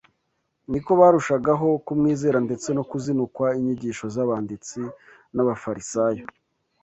niko barushagaho kumwizera ndetse no kuzinukwa inyigisho z’Abanditsi n’Abafarisayo